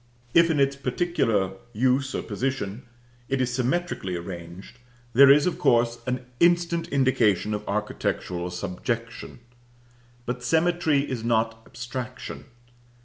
If, in its particular use or position, it is symmetrically arranged, there is, of course, an instant indication of architectural subjection. But symmetry is not abstraction.